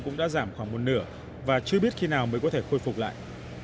cũng đã giảm khoảng một nửa và chưa biết khi nào mới có thể khôi phục lại